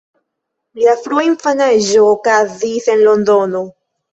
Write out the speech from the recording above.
Lia frua infanaĝo okazis en Londono.